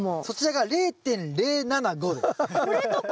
そちらが０．０７５です。